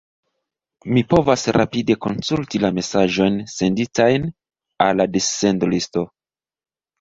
Mi povas rapide konsulti la mesaĝojn senditajn al la dissendolisto...